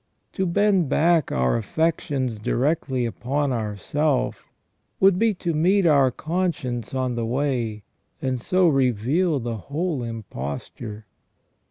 To bend back our affections directly upon our self would be to meet our conscience on the way, and so reveal the whole imposture.